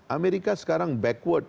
amerika sekarang backward